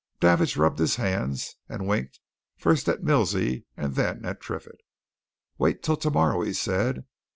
Davidge rubbed his hands and winked first at Milsey and then at Triffitt. "Wait till tomorrow!" he said.